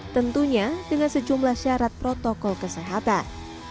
tentunya dengan sejumlah syarat protokol kesehatan